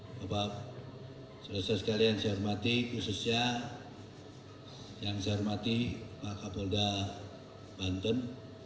bapak bapak saya rasa sekalian saya hormati khususnya yang saya hormati pak kapolda banten